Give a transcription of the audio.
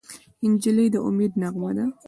نجلۍ د امید نغمه ده.